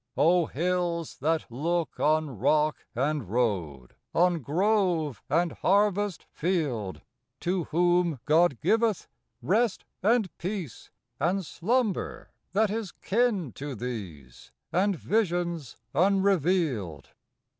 O hills, that look on rock and road, On grove and harvest field, To whom God giveth rest and peace, And slumber, that is kin to these, And visions unrevealed!